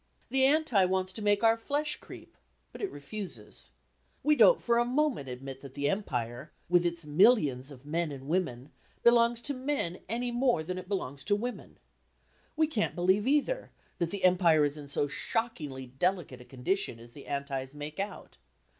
The Anti wants to make our flesh creep; but it refuses. We don't for a moment admit that the Empire, with its millions of men and women, belongs to men any more than it belongs to women. We can't believe, either, that the Empire is in so shockingly delicate a condition as the Antis make out.